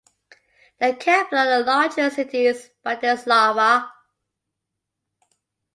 The capital and largest city is Bratislava.